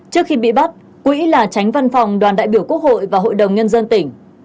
trước khi bị bắt quỹ là tránh văn phòng đoàn đại biểu quốc hội và hội đồng nhân dân tỉnh